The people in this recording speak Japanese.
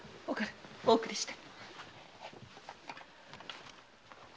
お送りして。